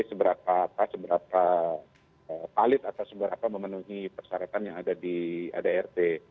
seberapa valid atau seberapa memenuhi persyaratan yang ada di adrt